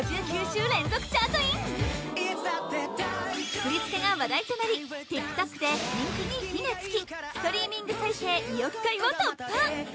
フリつけが話題となりＴｉｋＴｏｋで人気に火がつきストリーミング再生２億回を突破！